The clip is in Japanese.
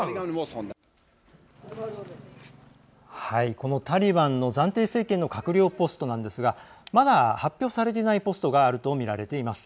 このタリバンの暫定政権の閣僚ポストなんですがまだ発表されていないポストがあるとみられています。